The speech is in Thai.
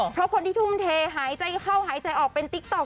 เพราะคนที่ทุ่มเทหายใจเข้าหายใจออกเป็นติ๊กต๊อ